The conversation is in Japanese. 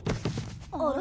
あら？